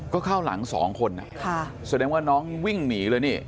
ก็เข้าหลัง๒คนสามารถวิ่งหนีเลย